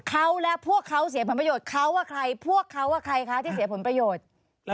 เขาและพวกเขาเสียผลประโยชน์เขาว่าใครพวกเขาว่าใครคะที่เสียผลประโยชน์